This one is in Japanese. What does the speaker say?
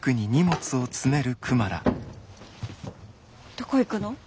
どこ行くの？